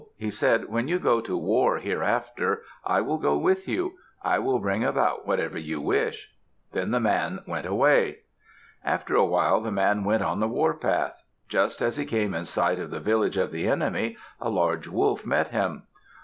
He said, "When you go to war hereafter, I will go with you. I will bring about whatever you wish." Then the man went away. After a while the man went on the warpath. Just as he came in sight of the village of the enemy, a large wolf met him.